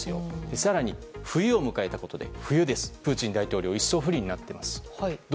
更に、冬を迎えたことでプーチン大統領一層不利になっています。